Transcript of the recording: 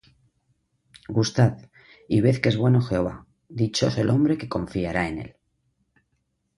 Gustad, y ved que es bueno Jehová: Dichoso el hombre que confiará en él.